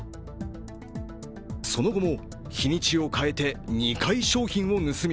その後も、日にちを変えて２回商品を盗み